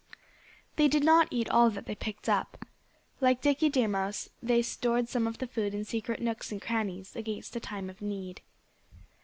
They did not eat all that they picked up. Like Dickie Deer Mouse, they stored some of the food in secret nooks and crannies, against a time of need.